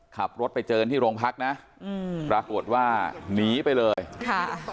ขับรถไปเจอที่โรงพักนะอืมปรากฏว่าหนีไปเลยค่ะ